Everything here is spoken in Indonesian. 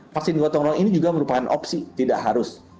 vaksin gotong royong ini juga merupakan opsi tidak harus